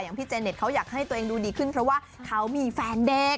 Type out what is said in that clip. พี่เจเน็ตเขาอยากให้ตัวเองดูดีขึ้นเพราะว่าเขามีแฟนเด็ก